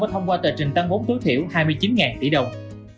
thông qua tờ trình tăng vốn tối thiểu hai mươi chín tỷ đồng